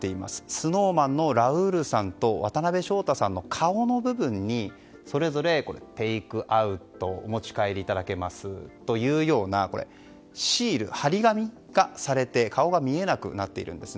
ＳｎｏｗＭａｎのラウールさんと、渡辺翔太さんの顔の部分にそれぞれテイクアウトお持ち帰りいただけますというようなシール、貼り紙がされて顔が見えなくなっているんです。